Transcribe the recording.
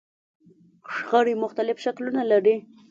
شخړې مختلف شکلونه لري.